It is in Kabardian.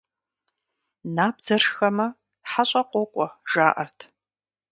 Набдзэр шхэмэ, хьэщӀэ къокӀуэ, жаӀэрт.